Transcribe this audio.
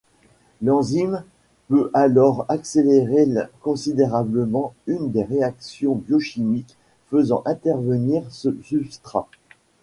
L'enzyme peut alors accélérer considérablement une des réactions biochimiques faisant intervenir ce substrat.